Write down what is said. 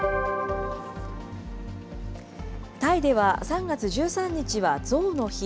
タイでは３月１３日はゾウの日。